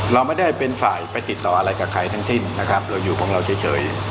เราไม่ได้เป็นฝ่ายไปติดต่ออะไรกับใครทั้งสิ้นนะครับเราอยู่ของเราเฉย